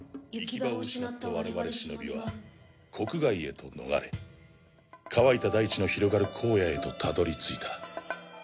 「行き場を失った我々シノビは国外へと逃れ乾いた大地の広がる荒野へとたどり着いた。